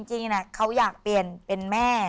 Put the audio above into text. จริงเขาอยากเปลี่ยนเป็นแม่